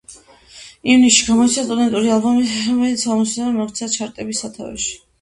ივნისში გამოიცა სტუდიური ალბომიც, რომელიც გამოსვლისთანავე მოექცა ჩარტების სათავეში.